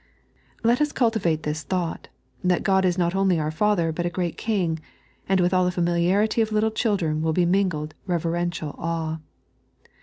Let us cultivate this thought, that God is not only our Father, but a great King, and with all the familiarity of little children will be mingled reverential awe.